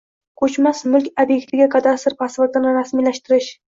Koʼchmas mulk obektiga kadastr pasportini rasmiylashtirish